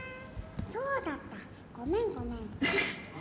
そうだった、ごめん、ごめん。